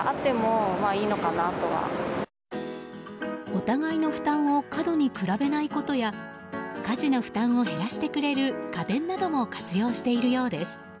お互いの負担を過度に比べないことや家事の負担を減らしてくれる家電なども活用しているようです。